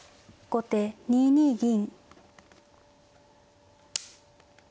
後手６二銀。